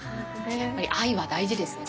やっぱり愛は大事ですね。